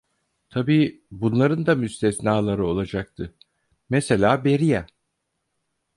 Tabii bunların da müstesnaları olacaktı: Mesela Beria…